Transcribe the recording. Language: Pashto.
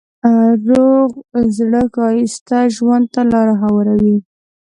روغ زړه ښایسته ژوند ته لاره هواروي.